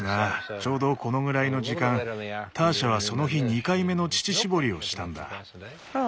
ちょうどこのぐらいの時間ターシャはその日２回目の乳搾りをしたんだ。